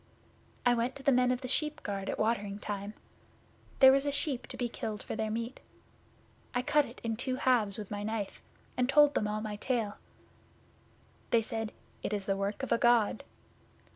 I went to the Men of the Sheepguard at watering time. There was a sheep to be killed for their meat. I cut it in two halves with my knife, and told them all my tale. They said, "It is the work of a God."